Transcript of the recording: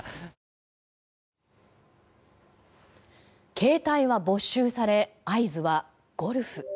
携帯は没収され合図はゴルフ。